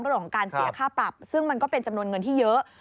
เรื่องของการเสียค่าปรับซึ่งมันก็เป็นจำนวนเงินที่เยอะ